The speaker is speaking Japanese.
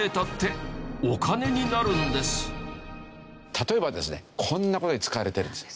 例えばですねこんな事に使われてるんです。